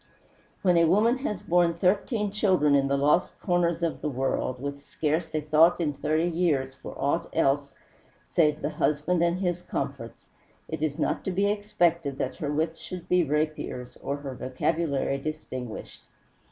When a woman has borne thirteen children in the lost corners of the world, with scarce a thought in thirty years for aught else save the husband and his comforts, it is not to be expected that her wits should be rapiers or her vocabulary distinguished.